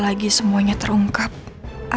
tapi senang juga pernah jumpa